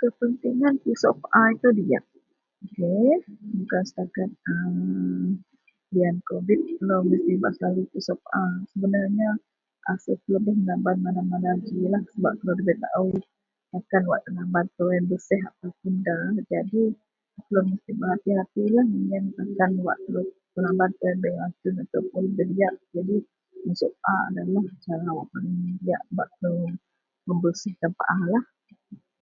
Kepentingan pusak paa itou diyak. [Ok]. Bukan setakat mm liyan kovid telou mesti bak selalu pusok paa sebenarnya asel telou baih menaban mana-mana ji sebab telou nda bei taao wakkan tenaban telou yen bereseh ataupuun nda. Jadi telou mesti bak berhati-hatilah yen wakkan tenaban telou yen bei rasun ataupuun nda diyak jadi pusok paa adalah cara paling diyak bak telou memberseh paa lah